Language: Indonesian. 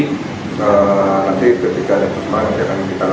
nanti ketika ada kesempatan nanti kita akan mencari